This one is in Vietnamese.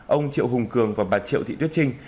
ông triệu hùng cường và bà triệu thị tuyết trinh